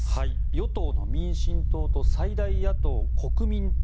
与党・民進党と最大野党・国民党。